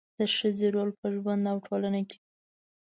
د ښځې رول په ژوند او ټولنه کې